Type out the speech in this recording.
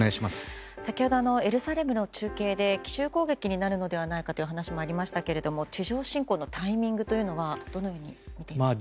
先ほどエルサレムの中継で奇襲攻撃になるのではないかというお話もありましたけれども地上侵攻のタイミングというのはどのようにみていますか？